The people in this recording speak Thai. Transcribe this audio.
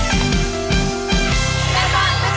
เห้อหิวท้องร้องเลยล่ะ